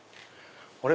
あれ？